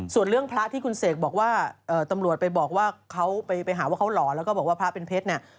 ส่วนเรื่องพระที่คุณเสกบอกว่าตำรวจไปบอกว่าเขาไปหาว่าเขาหล่อแล้วก็บอกว่าพระเป็นเพชรเนี่ย